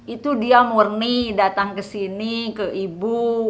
itu dia murni datang ke sini ke ibu